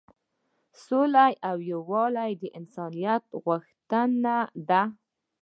سوله او یووالی د انسانیت غوښتنه ده.